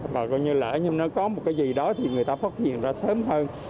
và nếu có một cái gì đó thì người ta phát hiện ra sớm hơn